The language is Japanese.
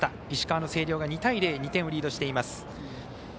石川、星稜が２対０２点をリードしています。